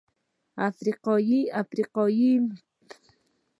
افریقایي متل وایي بدې خبرې نه هېرېږي.